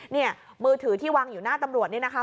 เนี่ยมือถือที่วางอยู่หน้าตำรวจนี่นะคะ